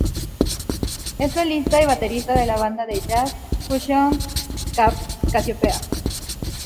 Es solista y baterista de la banda de jazz-fusión Casiopea.